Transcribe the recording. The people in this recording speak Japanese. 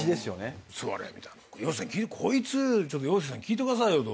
「こいつちょっと陽水さん聞いてくださいよ」と。